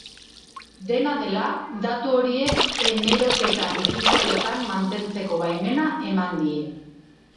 Dena dela, datu horiek hemeroteka digitaletan mantentzeko baimena eman die.